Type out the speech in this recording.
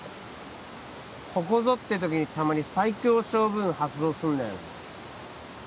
ここぞって時にたまに最強勝負運発動すんだよね